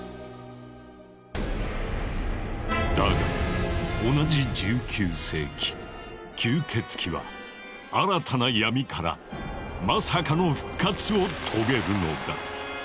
だが同じ１９世紀吸血鬼は新たな闇からまさかの復活を遂げるのだ。